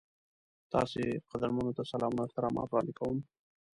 تاسو قدرمنو ته سلامونه او احترامات وړاندې کوم.